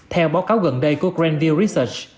theo báo cáo gần đây của grandview research